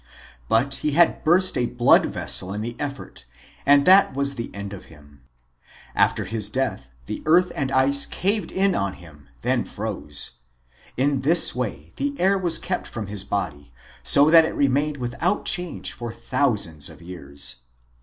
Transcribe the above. But he had burst a blood vessel in the effort and that was the end of him. After his death, the earth and ice caved in on him, then froze. In this way the air was kept from his body so that it remained without change for thousands of years.